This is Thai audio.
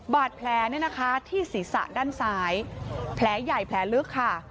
บาดแผลที่ศีรษะด้านซ้ายแผลใหญ่แผลลึกค่ะ